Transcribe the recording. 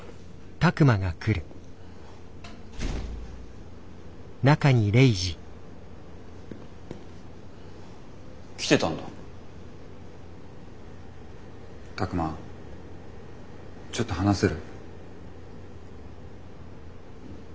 拓真ちょっと話せる？